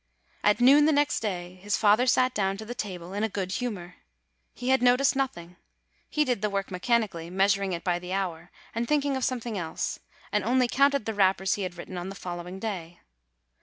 At noon the next day his father sat down to the table in a good humor. He had noticed nothing. He did the work mechanically, measuring it by the hour, and thinking of something else, and only counted the wrappers he had written on the following day.